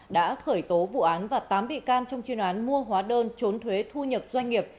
đã khởi tố vụ án và tám bị can trong chuyên án mua hóa đơn trốn thuế thu nhập doanh nghiệp